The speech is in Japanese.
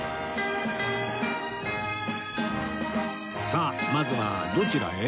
さあまずはどちらへ？